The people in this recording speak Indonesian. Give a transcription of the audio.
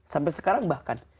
sampai sekarang bahkan